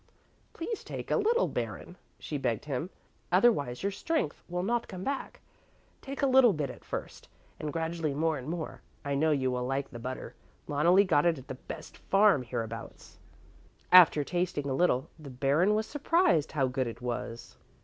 "Please take a little, Baron," she begged him, "otherwise your strength will not come back. Take a little bit at first and gradually more and more. I know you will like the butter. Loneli got it at the best farm hereabouts." After tasting a little the Baron was surprised how good it was.